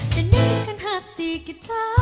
dan jadikan hati kita